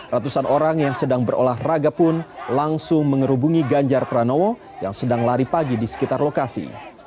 ratusan orang yang sedang berolahraga pun langsung mengerubungi ganjar pranowo yang sedang lari pagi di sekitar lokasi